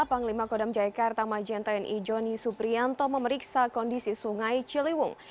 panglima kodam jaya kartamajenta n i joni suprianto memeriksa kondisi sungai ciliwung